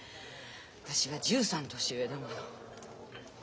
私は１３年上だもの。